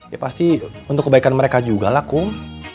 ya pasti untuk kebaikan mereka juga lah kum